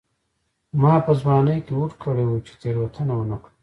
ما په ځوانۍ کې هوډ کړی و چې تېروتنه ونه کړم.